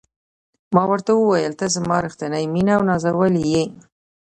ما ورته وویل: ته زما ریښتینې مینه او نازولې یې.